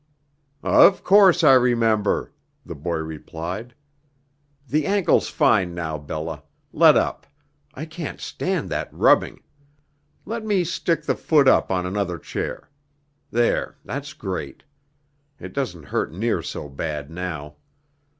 "Of course, I remember," the boy replied. "The ankle's fine now, Bella. Let up. I can't stand that rubbing. Let me stick the foot up on another chair. There that's great. It doesn't hurt near so bad now.